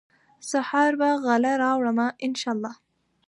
سحر په غلا راوړمه ، ان شا الله